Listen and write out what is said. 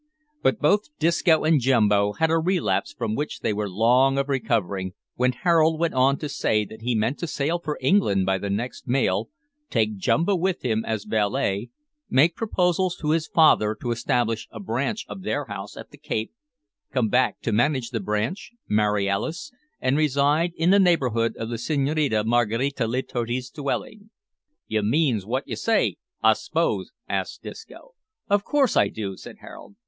But both Disco and Jumbo had a relapse from which they were long of recovering, when Harold went on to say that he meant to sail for England by the next mail, take Jumbo with him as valet, make proposals to his father to establish a branch of their house at the Cape, come back to manage the branch, marry Alice, and reside in the neighbourhood of the Senhorina Maraquita Letotti's dwelling. "You means wot you say, I s'pose?" asked Disco. "Of course I do," said Harold.